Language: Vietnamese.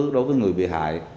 đối với người bị hại